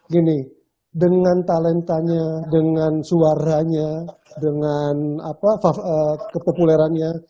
gini dengan talentanya dengan suaranya dengan kepopulerannya